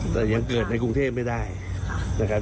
แต่ยังเกิดในกรุงเทพไม่ได้นะครับ